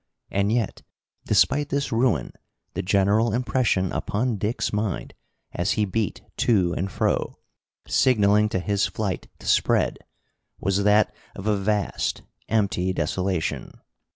And yet, despite this ruin, the general impression upon Dick's mind, as he beat to and fro, signaling to his flight to spread, was that of a vast, empty desolation.